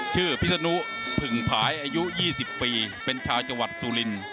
ชื่อพิษนุพึ่งพายอายุยี่สิบปีเป็นชาวจังหวัดสุริน